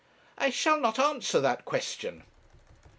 'I shall not answer that question.'